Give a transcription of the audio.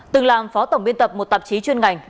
từng làm phó tổng biên tập một tạp chí chuyên ngành